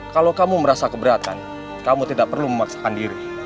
kalau kamu merasa keberatan kamu tidak perlu memaksakan diri